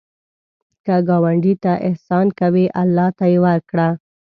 که ګاونډي ته احسان کوې، الله ته یې وکړه